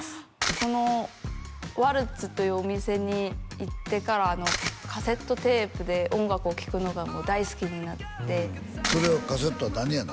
このｗａｌｔｚというお店に行ってからカセットテープで音楽を聴くのが大好きになってそのカセットは何やの？